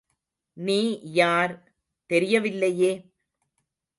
நீ யார் தெரியவில்லையே?